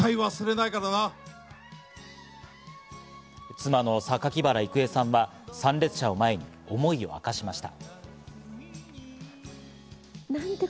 妻の榊原郁恵さんは、参列者を前に、思いを明かしました。